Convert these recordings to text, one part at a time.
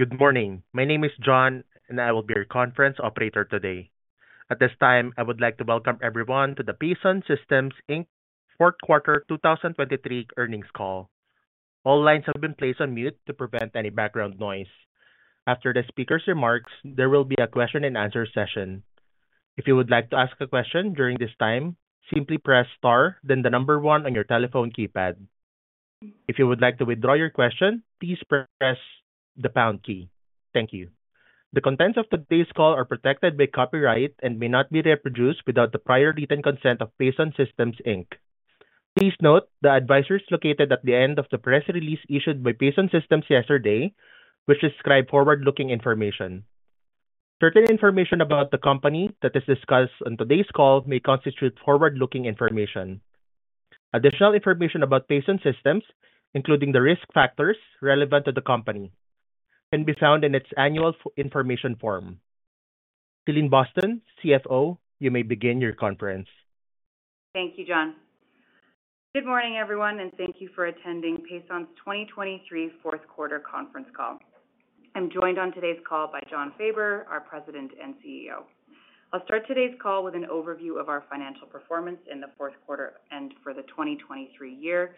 Good morning. My name is John, and I will be your conference operator today. At this time, I would like to welcome everyone to the Pason Systems Inc. 4th Quarter 2023 earnings call. All lines have been placed on mute to prevent any background noise. After the speaker's remarks, there will be a question-and-answer session. If you would like to ask a question during this time, simply press * then the number 1 on your telephone keypad. If you would like to withdraw your question, please press the pound key. Thank you. The contents of today's call are protected by copyright and may not be reproduced without the prior written consent of Pason Systems Inc. Please note the advisories located at the end of the press release issued by Pason Systems yesterday, which describe forward-looking information. Certain information about the company that is discussed on today's call may constitute forward-looking information. Additional information about Pason Systems, including the risk factors relevant to the company, can be found in its Annual Information Form. Celine Boston, CFO, you may begin your conference. Thank you, John. Good morning, everyone, and thank you for attending Pason's 2023 4th Quarter conference call. I'm joined on today's call by Jon Faber, our President and CEO. I'll start today's call with an overview of our financial performance in the 4th Quarter and for the 2023 year.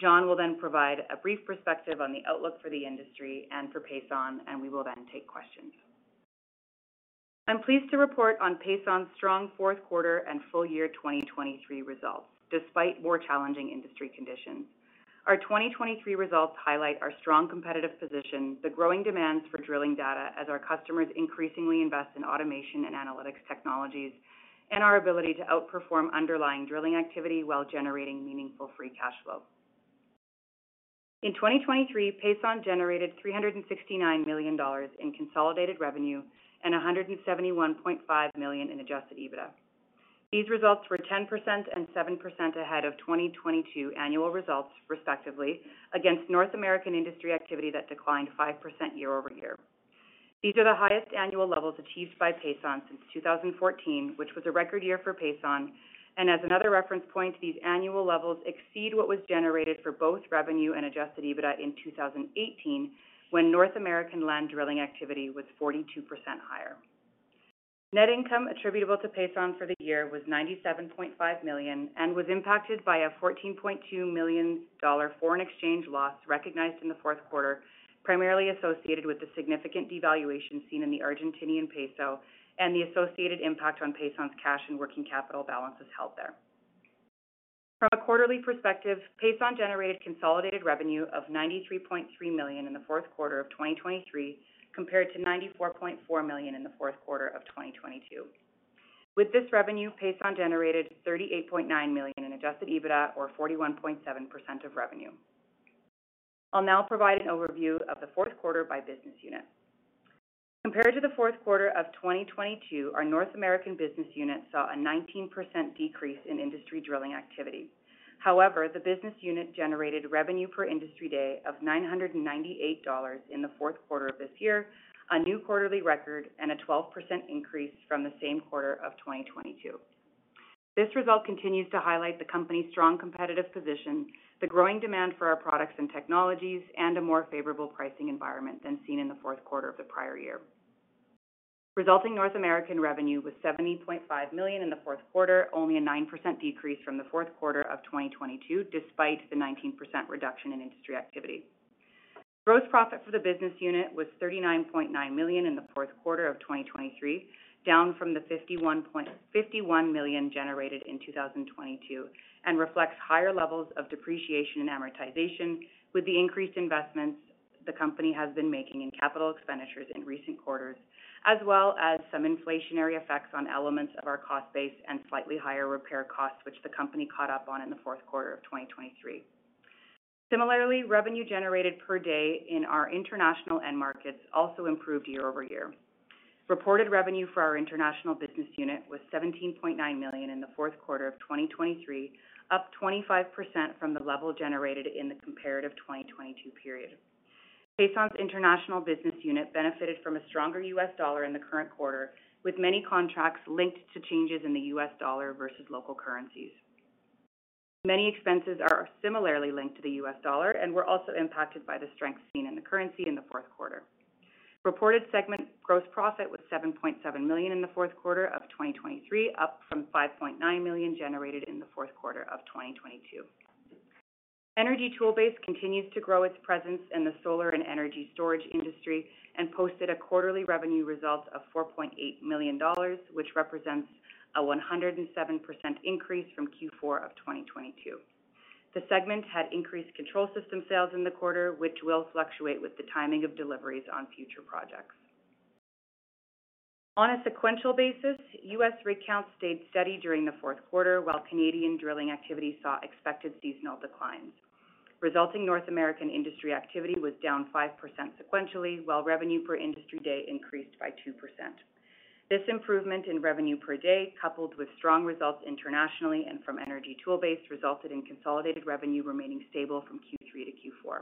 Jon will then provide a brief perspective on the outlook for the industry and for Pason, and we will then take questions. I'm pleased to report on Pason's strong 4th Quarter and full year 2023 results, despite more challenging industry conditions. Our 2023 results highlight our strong competitive position, the growing demands for drilling data as our customers increasingly invest in automation and analytics technologies, and our ability to outperform underlying drilling activity while generating meaningful Free Cash Flow. In 2023, Pason generated 369 million dollars in consolidated revenue and 171.5 million in Adjusted EBITDA. These results were 10% and 7% ahead of 2022 annual results, respectively, against North American industry activity that declined 5% year-over-year. These are the highest annual levels achieved by Pason since 2014, which was a record year for Pason. As another reference point, these annual levels exceed what was generated for both revenue and Adjusted EBITDA in 2018, when North American land drilling activity was 42% higher. Net income attributable to Pason for the year was 97.5 million and was impacted by a 14.2 million dollar foreign exchange loss recognized in the 4th Quarter, primarily associated with the significant devaluation seen in the Argentine peso and the associated impact on Pason's cash and working capital balances held there. From a quarterly perspective, Pason generated consolidated revenue of 93.3 million in the 4th Quarter of 2023, compared to 94.4 million in the 4th Quarter of 2022. With this revenue, Pason generated $38.9 million in Adjusted EBITDA, or 41.7% of revenue. I'll now provide an overview of the 4th Quarter by business unit. Compared to the 4th Quarter of 2022, our North American business unit saw a 19% decrease in industry drilling activity. However, the business unit generated revenue per industry day of $998 in the 4th Quarter of this year, a new quarterly record, and a 12% increase from the same quarter of 2022. This result continues to highlight the company's strong competitive position, the growing demand for our products and technologies, and a more favorable pricing environment than seen in the 4th Quarter of the prior year. Resulting North American revenue was $70.5 million in the 4th Quarter, only a 9% decrease from the 4th Quarter of 2022, despite the 19% reduction in industry activity. Gross profit for the business unit was $39.9 million in the 4th Quarter of 2023, down from the $51 million generated in 2022, and reflects higher levels of depreciation and amortization with the increased investments the company has been making in capital expenditures in recent quarters, as well as some inflationary effects on elements of our cost base and slightly higher repair costs, which the company caught up on in the 4th Quarter of 2023. Similarly, revenue generated per day in our international end markets also improved year-over-year. Reported revenue for our international business unit was $17.9 million in the 4th Quarter of 2023, up 25% from the level generated in the comparative 2022 period. Pason's international business unit benefited from a stronger U.S. dollar in the current quarter, with many contracts linked to changes in the U.S. dollar versus local currencies. Many expenses are similarly linked to the U.S. dollar, and were also impacted by the strength seen in the currency in the 4th Quarter. Reported segment gross profit was $7.7 million in the 4th Quarter of 2023, up from $5.9 million generated in the 4th Quarter of 2022. Energy Toolbase continues to grow its presence in the solar and energy storage industry and posted a quarterly revenue result of $4.8 million, which represents a 107% increase from Q4 of 2022. The segment had increased control system sales in the quarter, which will fluctuate with the timing of deliveries on future projects. On a sequential basis, U.S. rig counts stayed steady during the 4th Quarter, while Canadian drilling activity saw expected seasonal declines. Resulting North American industry activity was down 5% sequentially, while revenue per industry day increased by 2%. This improvement in revenue per day, coupled with strong results internationally and from Energy Toolbase, resulted in consolidated revenue remaining stable from Q3 to Q4.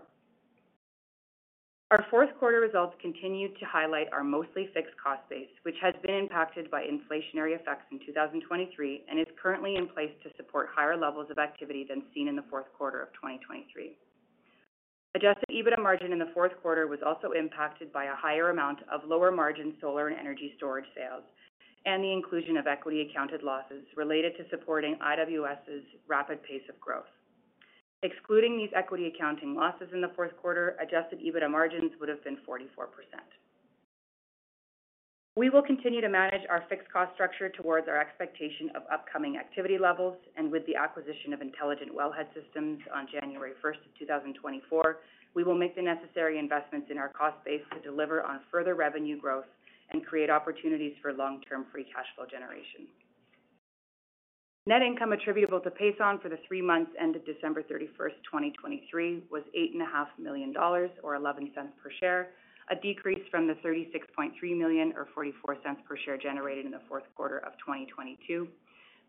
Our 4th Quarter results continue to highlight our mostly fixed cost base, which has been impacted by inflationary effects in 2023 and is currently in place to support higher levels of activity than seen in the 4th Quarter of 2023. Adjusted EBITDA margin in the 4th Quarter was also impacted by a higher amount of lower margin solar and energy storage sales and the inclusion of equity accounted losses related to supporting IWS's rapid pace of growth. Excluding these equity accounting losses in the 4th Quarter, adjusted EBITDA margins would have been 44%. We will continue to manage our fixed cost structure towards our expectation of upcoming activity levels, and with the acquisition of Intelligent Wellhead Systems on January 1st, 2024, we will make the necessary investments in our cost base to deliver on further revenue growth and create opportunities for long-term free cash flow generation. Net income attributable to Pason for the three months ended December 31st, 2023, was 8.5 million dollars, or 0.11 per share, a decrease from the 36.3 million, or 0.44 per share generated in the 4th Quarter of 2022.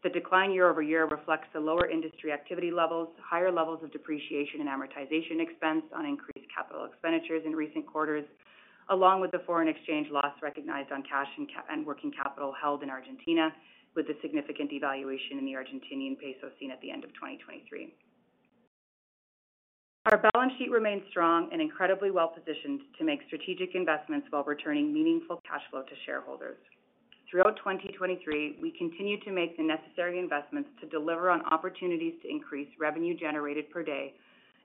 The decline year-over-year reflects the lower industry activity levels, higher levels of depreciation and amortization expense on increased capital expenditures in recent quarters, along with the foreign exchange loss recognized on cash and working capital held in Argentina, with the significant devaluation in the Argentine peso seen at the end of 2023. Our balance sheet remains strong and incredibly well-positioned to make strategic investments while returning meaningful cash flow to shareholders. Throughout 2023, we continued to make the necessary investments to deliver on opportunities to increase revenue generated per day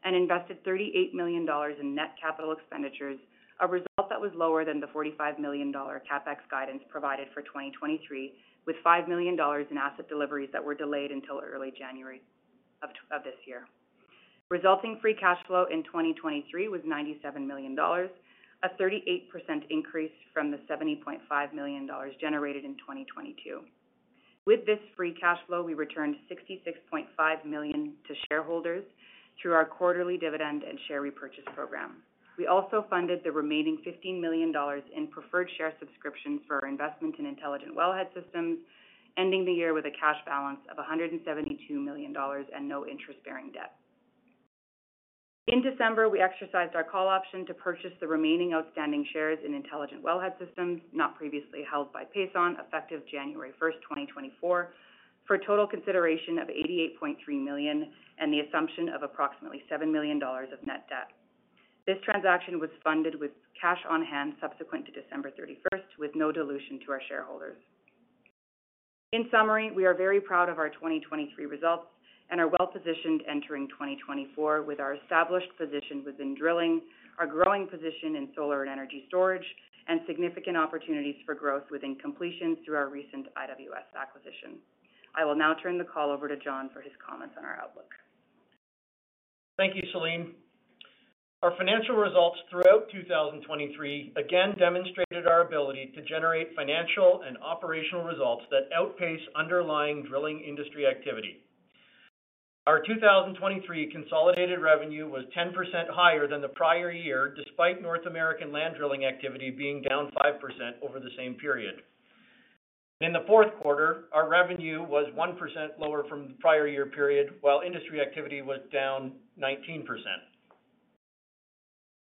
and invested 38 million dollars in net capital expenditures, a result that was lower than the 45 million dollar CapEx guidance provided for 2023, with 5 million dollars in asset deliveries that were delayed until early January of this year. Resulting free cash flow in 2023 was 97 million dollars, a 38% increase from the 70.5 million dollars generated in 2022. With this free cash flow, we returned 66.5 million to shareholders through our quarterly dividend and share repurchase program. We also funded the remaining 15 million dollars in preferred share subscriptions for our investment in Intelligent Wellhead Systems, ending the year with a cash balance of 172 million dollars and no interest-bearing debt. In December, we exercised our call option to purchase the remaining outstanding shares in Intelligent Wellhead Systems not previously held by Pason effective January 1st, 2024, for a total consideration of $88.3 million and the assumption of approximately $7 million of net debt. This transaction was funded with cash on hand subsequent to December 31st, with no dilution to our shareholders. In summary, we are very proud of our 2023 results and are well-positioned entering 2024 with our established position within drilling, our growing position in solar and energy storage, and significant opportunities for growth within completions through our recent IWS acquisition. I will now turn the call over to Jon for his comments on our outlook. Thank you, Celine. Our financial results throughout 2023 again demonstrated our ability to generate financial and operational results that outpace underlying drilling industry activity. Our 2023 consolidated revenue was 10% higher than the prior year, despite North American land drilling activity being down 5% over the same period. In the 4th Quarter, our revenue was 1% lower from the prior year period, while industry activity was down 19%.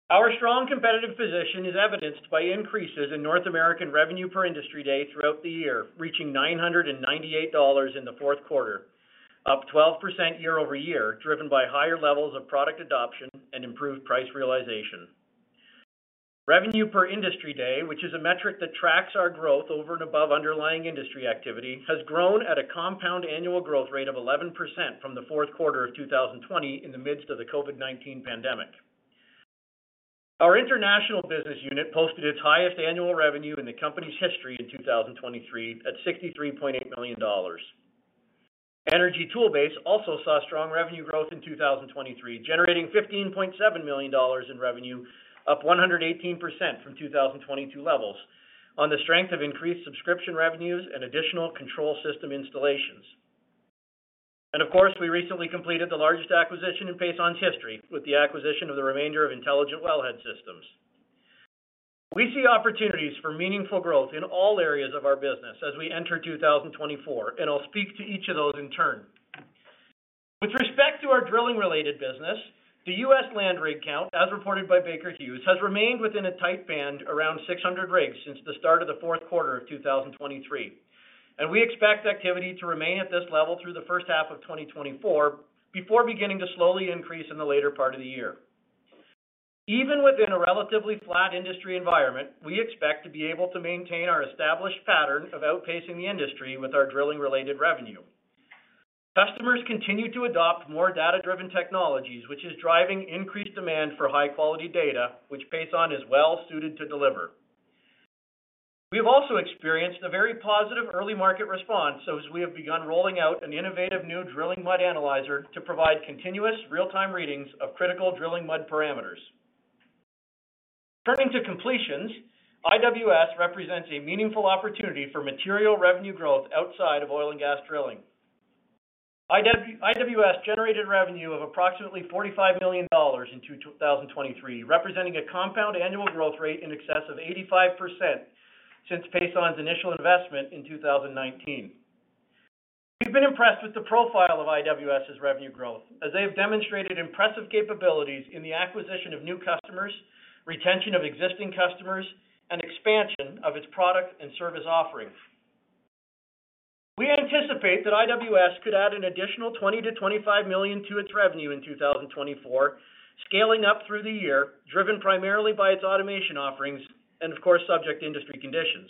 Our strong competitive position is evidenced by increases in North American revenue per industry day throughout the year, reaching $998 in the 4th Quarter, up 12% year-over-year, driven by higher levels of product adoption and improved price realization. Revenue per industry day, which is a metric that tracks our growth over and above underlying industry activity, has grown at a compound annual growth rate of 11% from the 4th Quarter of 2020 in the midst of the COVID-19 pandemic. Our international business unit posted its highest annual revenue in the company's history in 2023 at $63.8 million. Energy Toolbase also saw strong revenue growth in 2023, generating $15.7 million in revenue, up 118% from 2022 levels, on the strength of increased subscription revenues and additional control system installations. And of course, we recently completed the largest acquisition in Pason's history, with the acquisition of the remainder of Intelligent Wellhead Systems. We see opportunities for meaningful growth in all areas of our business as we enter 2024, and I'll speak to each of those in turn. With respect to our drilling-related business, the U.S. Land rig count, as reported by Baker Hughes, has remained within a tight band around 600 rigs since the start of the 4th Quarter of 2023, and we expect activity to remain at this level through the first half of 2024 before beginning to slowly increase in the later part of the year. Even within a relatively flat industry environment, we expect to be able to maintain our established pattern of outpacing the industry with our drilling-related revenue. Customers continue to adopt more data-driven technologies, which is driving increased demand for high-quality data, which Pason is well-suited to deliver. We have also experienced a very positive early market response as we have begun rolling out an innovative new drilling mud analyzer to provide continuous, real-time readings of critical drilling mud parameters. Turning to completions, IWS represents a meaningful opportunity for material revenue growth outside of oil and gas drilling. IWS generated revenue of approximately $45 million in 2023, representing a compound annual growth rate in excess of 85% since Pason's initial investment in 2019. We've been impressed with the profile of IWS's revenue growth, as they have demonstrated impressive capabilities in the acquisition of new customers, retention of existing customers, and expansion of its product and service offering. We anticipate that IWS could add an additional $20-$25 million to its revenue in 2024, scaling up through the year, driven primarily by its automation offerings and, of course, subject industry conditions.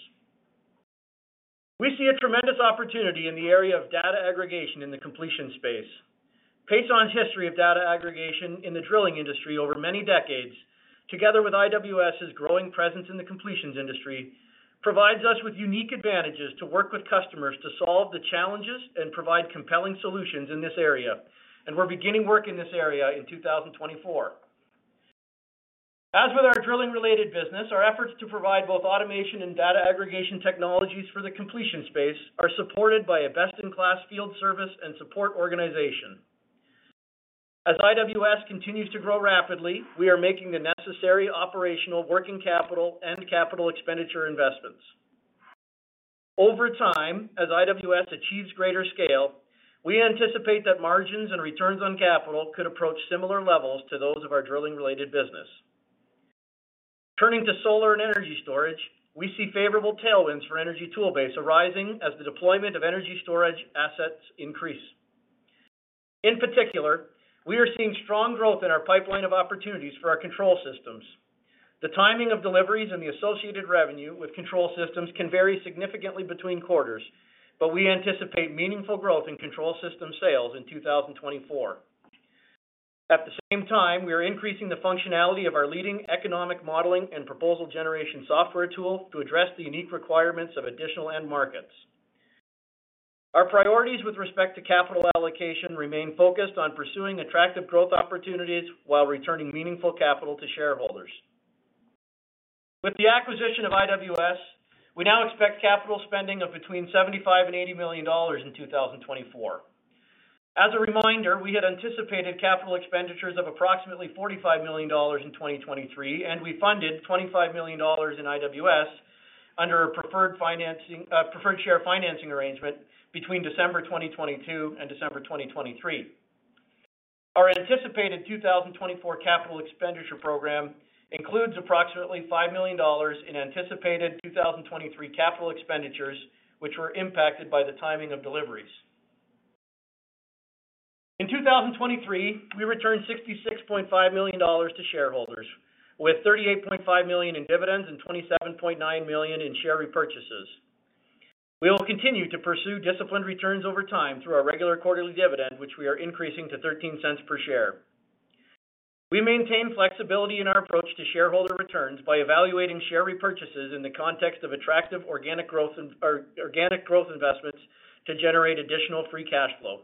We see a tremendous opportunity in the area of data aggregation in the completions space. Pason's history of data aggregation in the drilling industry over many decades, together with IWS's growing presence in the completions industry, provides us with unique advantages to work with customers to solve the challenges and provide compelling solutions in this area, and we're beginning work in this area in 2024. As with our drilling-related business, our efforts to provide both automation and data aggregation technologies for the completions space are supported by a best-in-class field service and support organization. As IWS continues to grow rapidly, we are making the necessary operational working capital and capital expenditure investments. Over time, as IWS achieves greater scale, we anticipate that margins and returns on capital could approach similar levels to those of our drilling-related business. Turning to solar and energy storage, we see favorable tailwinds for Energy Toolbase arising as the deployment of energy storage assets increases. In particular, we are seeing strong growth in our pipeline of opportunities for our control systems. The timing of deliveries and the associated revenue with control systems can vary significantly between quarters, but we anticipate meaningful growth in control system sales in 2024. At the same time, we are increasing the functionality of our leading economic modeling and proposal generation software tool to address the unique requirements of additional end markets. Our priorities with respect to capital allocation remain focused on pursuing attractive growth opportunities while returning meaningful capital to shareholders. With the acquisition of IWS, we now expect capital spending of between 75 million and 80 million dollars in 2024. As a reminder, we had anticipated capital expenditures of approximately 45 million dollars in 2023, and we funded 25 million dollars in IWS under a preferred financing preferred share financing arrangement between December 2022 and December 2023. Our anticipated 2024 capital expenditure program includes approximately $5 million in anticipated 2023 capital expenditures, which were impacted by the timing of deliveries. In 2023, we returned $66.5 million to shareholders, with $38.5 million in dividends and $27.9 million in share repurchases. We will continue to pursue disciplined returns over time through our regular quarterly dividend, which we are increasing to $0.13 per share. We maintain flexibility in our approach to shareholder returns by evaluating share repurchases in the context of attractive organic growth investments to generate additional free cash flow.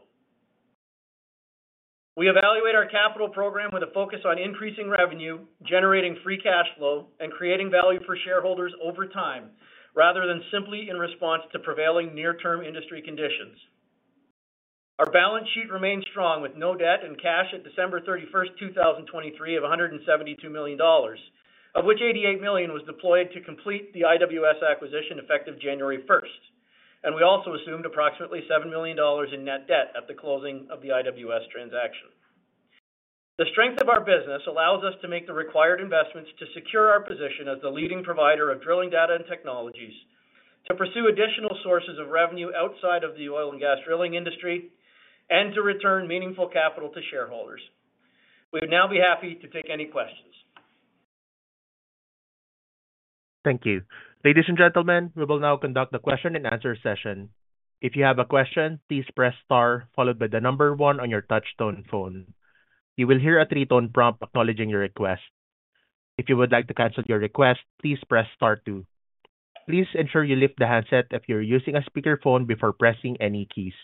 We evaluate our capital program with a focus on increasing revenue, generating free cash flow, and creating value for shareholders over time, rather than simply in response to prevailing near-term industry conditions. Our balance sheet remains strong, with no debt and cash at December 31st, 2023, of $172 million, of which $88 million was deployed to complete the IWS acquisition effective January 1st, and we also assumed approximately $7 million in net debt at the closing of the IWS transaction. The strength of our business allows us to make the required investments to secure our position as the leading provider of drilling data and technologies, to pursue additional sources of revenue outside of the oil and gas drilling industry, and to return meaningful capital to shareholders. We would now be happy to take any questions. Thank you. Ladies and gentlemen, we will now conduct the question and answer session. If you have a question, please press * followed by the number 1 on your touch-tone phone. You will hear a three-tone prompt acknowledging your request. If you would like to cancel your request, please press *2. Please ensure you lift the handset if you are using a speakerphone before pressing any keys.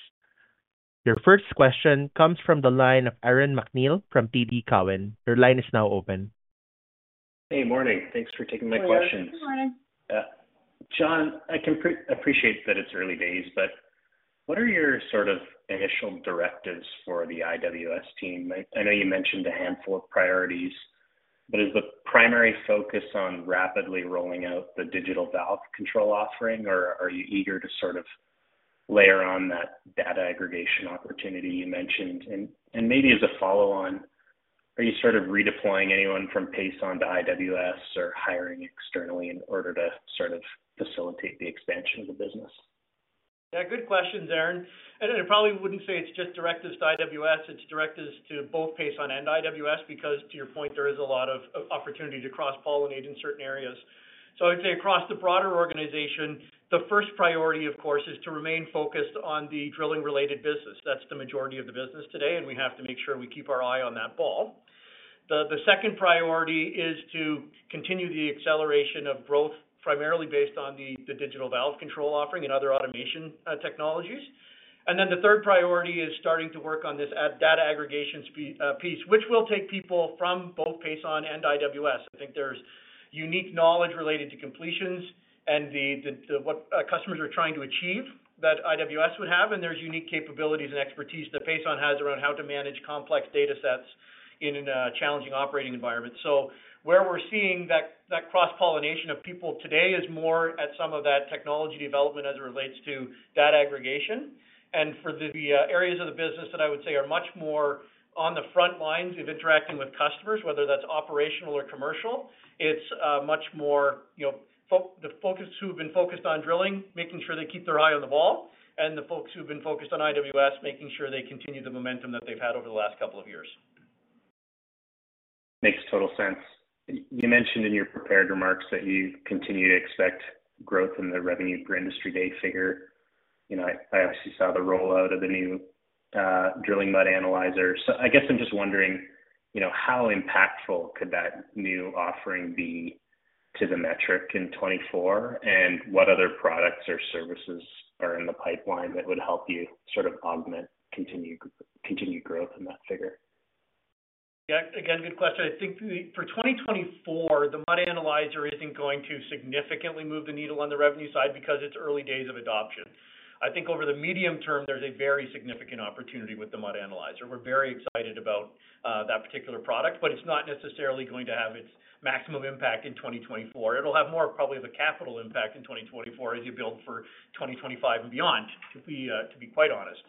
Your first question comes from the line of Aaron MacNeil from TD Cowen. Your line is now open. Hey, morning. Thanks for taking my question. Morning. Yeah. Jon, I can appreciate that it's early days, but what are your sort of initial directives for the IWS team? I know you mentioned a handful of priorities, but is the primary focus on rapidly rolling out the Digital Valve Control offering, or are you eager to sort of layer on that data aggregation opportunity you mentioned? And maybe as a follow-on, are you sort of redeploying anyone from Pason to IWS or hiring externally in order to sort of facilitate the expansion of the business? Yeah, good questions, Aaron. And I probably wouldn't say it's just directives to IWS. It's directives to both Pason and IWS because, to your point, there is a lot of opportunity to cross pollinate in certain areas. So I would say across the broader organization, the first priority, of course, is to remain focused on the drilling-related business. That's the majority of the business today, and we have to make sure we keep our eye on that ball. The second priority is to continue the acceleration of growth primarily based on the Digital Valve Control offering and other automation technologies. And then the third priority is starting to work on this data aggregation piece, which will take people from both Pason and IWS. I think there's unique knowledge related to completions and what customers are trying to achieve that IWS would have, and there's unique capabilities and expertise that Pason has around how to manage complex data sets in a challenging operating environment. So where we're seeing that cross-pollination of people today is more at some of that technology development as it relates to data aggregation. For the areas of the business that I would say are much more on the front lines of interacting with customers, whether that's operational or commercial, it's much more the folks who have been focused on drilling, making sure they keep their eye on the ball, and the folks who have been focused on IWS, making sure they continue the momentum that they've had over the last couple of years. Makes total sense. You mentioned in your prepared remarks that you continue to expect growth in the revenue per industry day figure. I actually saw the rollout of the new drilling mud analyzer. So I guess I'm just wondering, how impactful could that new offering be to the metric in 2024, and what other products or services are in the pipeline that would help you sort of augment continued growth in that figure? Yeah, again, good question. I think for 2024, the mud analyzer isn't going to significantly move the needle on the revenue side because it's early days of adoption. I think over the medium term, there's a very significant opportunity with the mud analyzer. We're very excited about that particular product, but it's not necessarily going to have its maximum impact in 2024. It'll have more probably of a capital impact in 2024 as you build for 2025 and beyond, to be quite honest.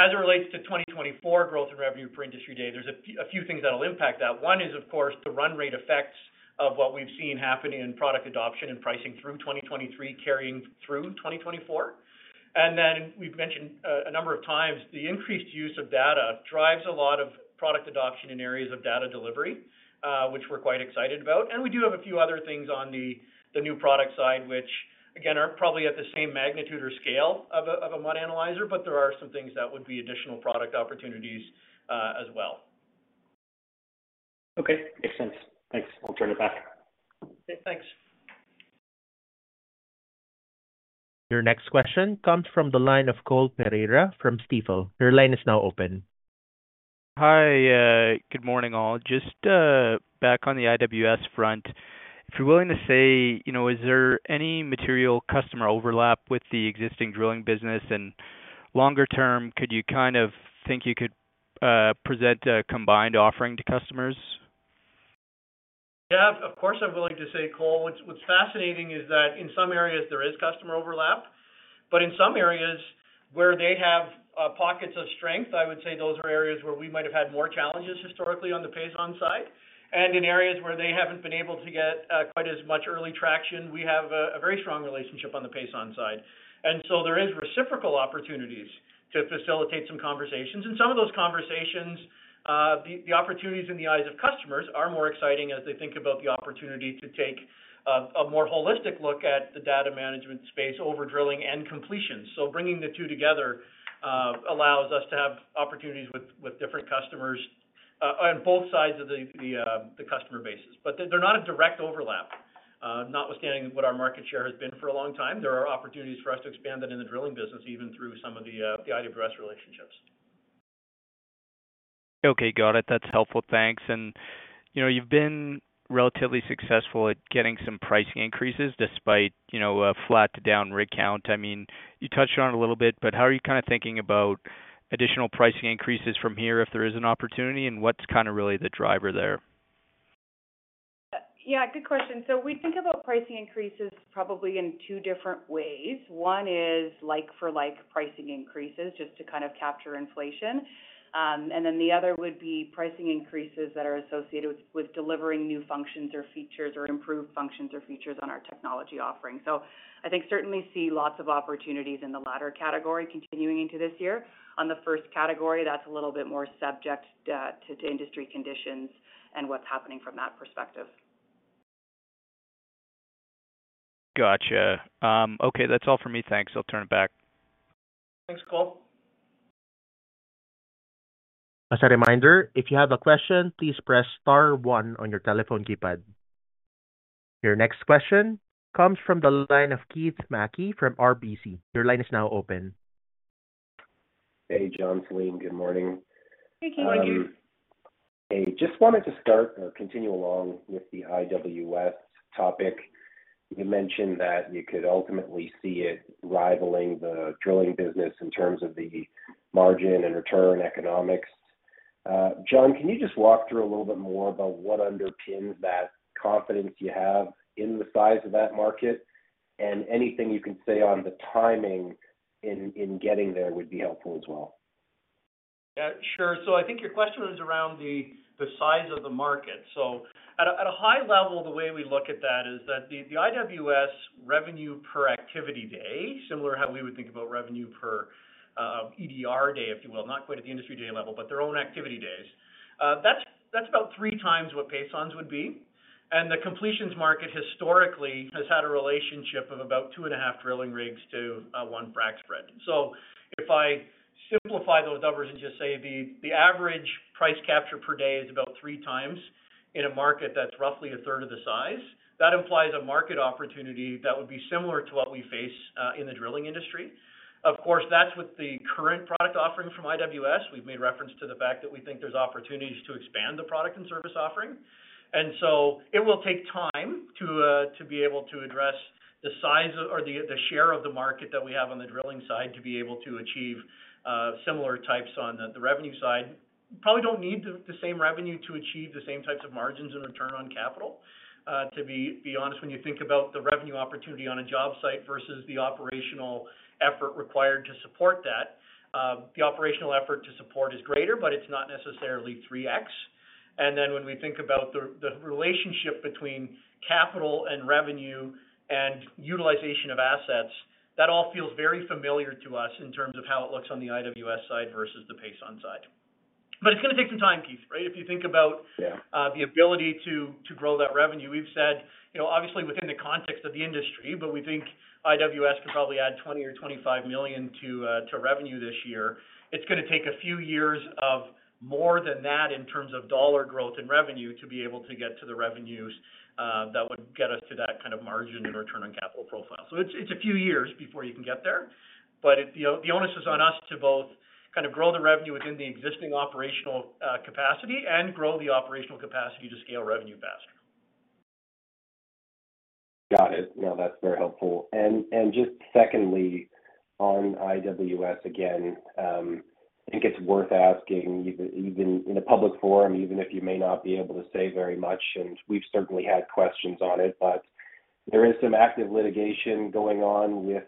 As it relates to 2024 growth and revenue per industry day, there's a few things that'll impact that. One is, of course, the run rate effects of what we've seen happen in product adoption and pricing through 2023 carrying through 2024. And then we've mentioned a number of times, the increased use of data drives a lot of product adoption in areas of data delivery, which we're quite excited about. And we do have a few other things on the new product side, which, again, are probably at the same magnitude or scale of a mud analyzer, but there are some things that would be additional product opportunities as well. Okay, makes sense. Thanks. I'll turn it back. Okay, thanks. Your next question comes from the line of Cole Pereira from Stifel. Your line is now open. Hi. Good morning, all. Just back on the IWS front. If you're willing to say, is there any material customer overlap with the existing drilling business, and longer term, could you kind of think you could present a combined offering to customers? Yeah, of course I'm willing to say, Cole. What's fascinating is that in some areas, there is customer overlap. But in some areas where they have pockets of strength, I would say those are areas where we might have had more challenges historically on the Pason side. And in areas where they haven't been able to get quite as much early traction, we have a very strong relationship on the Pason side. And so there is reciprocal opportunities to facilitate some conversations. And some of those conversations, the opportunities in the eyes of customers are more exciting as they think about the opportunity to take a more holistic look at the data management space over drilling and completions. So bringing the two together allows us to have opportunities with different customers on both sides of the customer bases. But they're not a direct overlap, notwithstanding what our market share has been for a long time. There are opportunities for us to expand that in the drilling business, even through some of the IWS relationships. Okay, got it. That's helpful. Thanks. You've been relatively successful at getting some pricing increases despite a flat to down rig count. I mean, you touched on it a little bit, but how are you kind of thinking about additional pricing increases from here if there is an opportunity, and what's kind of really the driver there? Yeah, good question. So we think about pricing increases probably in two different ways. One is like-for-like pricing increases just to kind of capture inflation. And then the other would be pricing increases that are associated with delivering new functions or features or improved functions or features on our technology offering. So I think certainly see lots of opportunities in the latter category continuing into this year. On the first category, that's a little bit more subject to industry conditions and what's happening from that perspective. Gotcha. Okay, that's all for me. Thanks. I'll turn it back. Thanks, Cole. As a reminder, if you have a question, please press star 1 on your telephone keypad. Your next question comes from the line of Keith Mackey from RBC. Your line is now open. Hey, Jon, Celine. Good morning. Hey, Keith. Morning, Keith. Hey, just wanted to start or continue along with the IWS topic. You mentioned that you could ultimately see it rivaling the drilling business in terms of the margin and return economics. Jon, can you just walk through a little bit more about what underpins that confidence you have in the size of that market, and anything you can say on the timing in getting there would be helpful as well? Yeah, sure. So I think your question was around the size of the market. So at a high level, the way we look at that is that the IWS revenue per activity day, similar to how we would think about revenue per EDR day, if you will, not quite at the industry day level, but their own activity days, that's about three times what Pason's would be. And the completions market historically has had a relationship of about two and a half drilling rigs to one frac spread. So if I simplify those numbers and just say the average price capture per day is about three times in a market that's roughly a third of the size, that implies a market opportunity that would be similar to what we face in the drilling industry. Of course, that's with the current product offering from IWS. We've made reference to the fact that we think there's opportunities to expand the product and service offering. And so it will take time to be able to address the size or the share of the market that we have on the drilling side to be able to achieve similar types on the revenue side. You probably don't need the same revenue to achieve the same types of margins and return on capital. To be honest, when you think about the revenue opportunity on a job site versus the operational effort required to support that, the operational effort to support is greater, but it's not necessarily 3X. And then when we think about the relationship between capital and revenue and utilization of assets, that all feels very familiar to us in terms of how it looks on the IWS side versus the Pason's side. But it's going to take some time, Keith, right? If you think about the ability to grow that revenue, we've said, obviously, within the context of the industry, but we think IWS can probably add 20 million or 25 million to revenue this year. It's going to take a few years of more than that in terms of dollar growth and revenue to be able to get to the revenues that would get us to that kind of margin and return on capital profile. So it's a few years before you can get there. But the onus is on us to both kind of grow the revenue within the existing operational capacity and grow the operational capacity to scale revenue faster. Got it. No, that's very helpful. And just secondly, on IWS, again, I think it's worth asking even in a public forum, even if you may not be able to say very much, and we've certainly had questions on it, but there is some active litigation going on with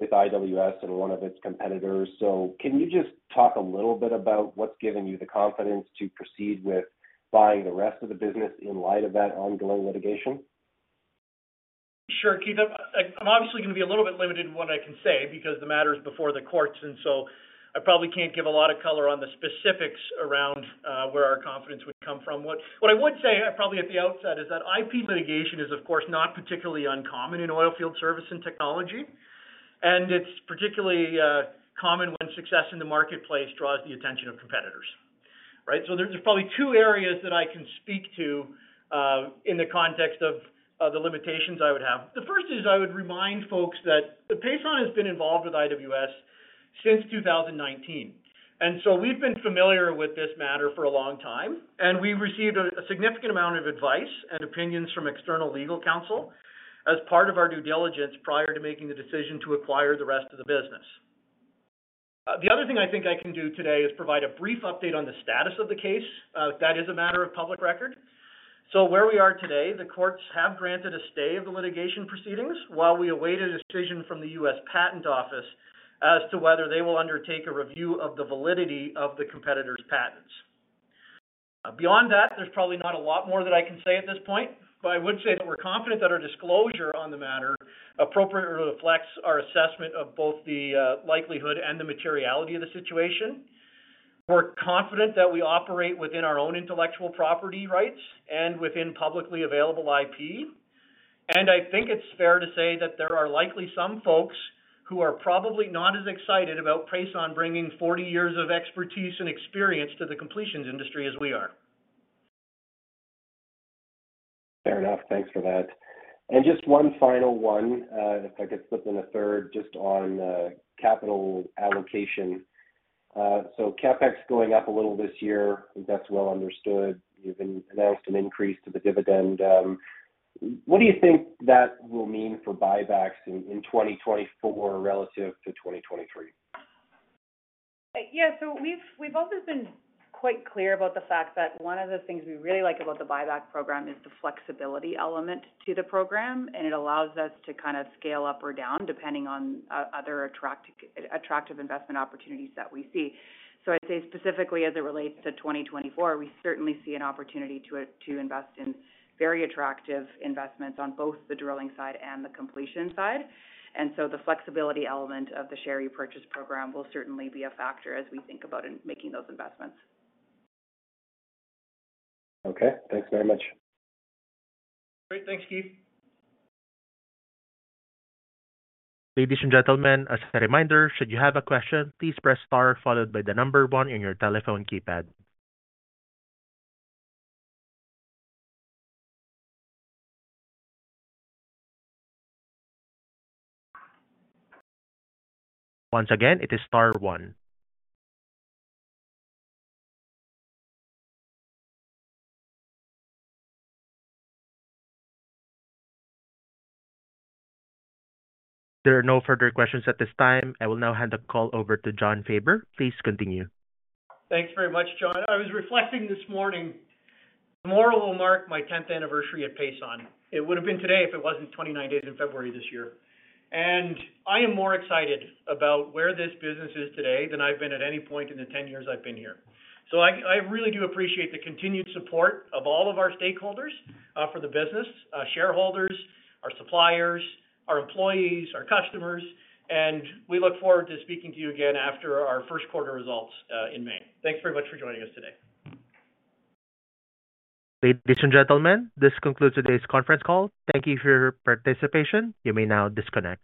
IWS and one of its competitors. So can you just talk a little bit about what's given you the confidence to proceed with buying the rest of the business in light of that ongoing litigation? Sure, Keith. I'm obviously going to be a little bit limited in what I can say because the matter is before the courts, and so I probably can't give a lot of color on the specifics around where our confidence would come from. What I would say, probably at the outset, is that IP litigation is, of course, not particularly uncommon in oilfield service and technology. And it's particularly common when success in the marketplace draws the attention of competitors, right? So there's probably two areas that I can speak to in the context of the limitations I would have. The first is I would remind folks that Pason has been involved with IWS since 2019. We've been familiar with this matter for a long time, and we received a significant amount of advice and opinions from external legal counsel as part of our due diligence prior to making the decision to acquire the rest of the business. The other thing I think I can do today is provide a brief update on the status of the case. That is a matter of public record. Where we are today, the courts have granted a stay of the litigation proceedings while we await a decision from the U.S. Patent Office as to whether they will undertake a review of the validity of the competitor's patents. Beyond that, there's probably not a lot more that I can say at this point, but I would say that we're confident that our disclosure on the matter appropriately reflects our assessment of both the likelihood and the materiality of the situation. We're confident that we operate within our own intellectual property rights and within publicly available IP. I think it's fair to say that there are likely some folks who are probably not as excited about Pason bringing 40 years of expertise and experience to the completions industry as we are. Fair enough. Thanks for that. And just one final one, if I could slip in a third, just on capital allocation. So CapEx going up a little this year, I think that's well understood. You've announced an increase to the dividend. What do you think that will mean for buybacks in 2024 relative to 2023? Yeah, so we've always been quite clear about the fact that one of the things we really like about the buyback program is the flexibility element to the program, and it allows us to kind of scale up or down depending on other attractive investment opportunities that we see. So I'd say specifically as it relates to 2024, we certainly see an opportunity to invest in very attractive investments on both the drilling side and the completion side. And so the flexibility element of the share repurchase program will certainly be a factor as we think about making those investments. Okay. Thanks very much. Great. Thanks, Keith. Ladies and gentlemen, as a reminder, should you have a question, please press * followed by the number 1 on your telephone keypad. Once again, it is *1. There are no further questions at this time. I will now hand the call over to Jon Faber. Please continue. Thanks very much, Jon. I was reflecting this morning. Tomorrow will mark my 10th anniversary at Pason. It would have been today if it wasn't 29 days in February this year. And I am more excited about where this business is today than I've been at any point in the 10 years I've been here. So I really do appreciate the continued support of all of our stakeholders for the business, shareholders, our suppliers, our employees, our customers. And we look forward to speaking to you again after our first quarter results in May. Thanks very much for joining us today. Ladies and gentlemen, this concludes today's conference call. Thank you for your participation. You may now disconnect.